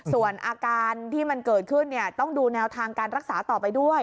ส่วนอาการที่มันเกิดขึ้นต้องดูแนวทางการรักษาต่อไปด้วย